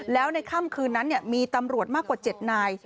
แล้วในค่ำคืนนั้นมีตำรวจมากกว่า๗นาย